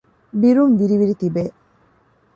ބިރުން ވިރި ވިރި ތިބޭ